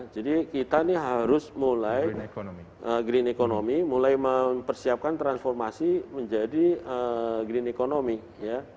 jadi kita ini harus mulai green economy mulai mempersiapkan transformasi menjadi green economy